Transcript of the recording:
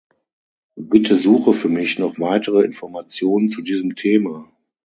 Bitte suche für mich noch weitere Informationen zu diesem Thema.